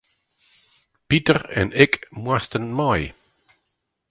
Piter en ik moasten mei.